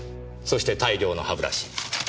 そして大量の歯ブラシ。